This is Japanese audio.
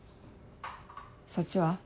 そっちは？